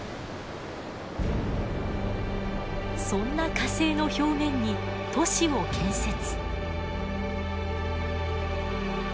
そんな火星の表面に都市を建設。